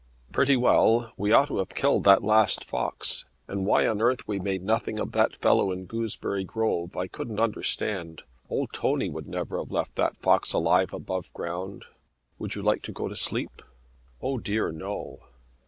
"Pretty well. We ought to have killed that last fox. And why on earth we made nothing of that fellow in Gooseberry Grove I couldn't understand. Old Tony would never have left that fox alive above ground. Would you like to go to sleep?" "O dear no."